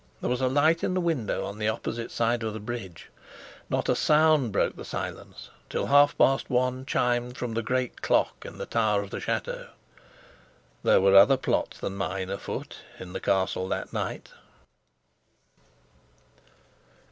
There was a light in the window on the opposite side of the bridge. Not a sound broke the silence, till half past one chimed from the great clock in the tower of the chateau. There were other plots than mine afoot in the Castle that night.